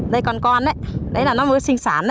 đây con con ấy đấy là nó mới sinh sản